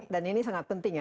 dan ini sangat penting ya